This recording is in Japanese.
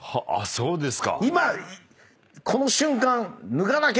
そうですか。